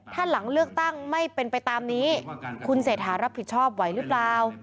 ถ้าหลังเลือกตั้งไม่เป็นไปตามนี้คุณเศรษฐารับผิดชอบไหวหรือเปล่า